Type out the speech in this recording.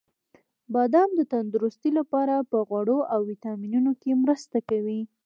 • بادام د تندرستۍ لپاره په غوړو او ویټامینونو کې مرسته کوي.